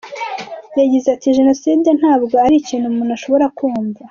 Yagize ati “Jenoside ntabwo ari ikintu umuntu ashobora kumva.